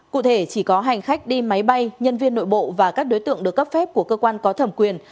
cụ thể chỉ có hành khách đi máy bay nhân viên nội bộ và các đối tượng được cấp phép của cơ quan có thẩm quyền